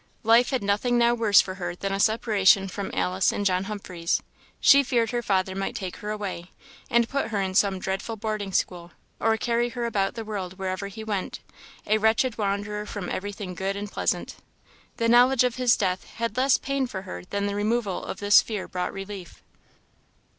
Life had nothing now worse for her than a separation from Alice and John Humphreys; she feared her father might take her away, and put her in some dreadful boarding school, or carry her about the world wherever he went, a wretched wanderer from everything good and pleasant. The knowledge of his death had less pain for her than the removal of this fear brought relief.